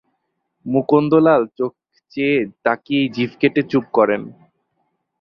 মুকুন্দলাল চোখ চেয়ে তাকিয়েই জিভ কেটে চুপ করেন।